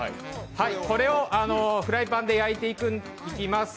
これをフライパンで焼いていきます。